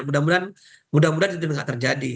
mudah mudahan itu tidak terjadi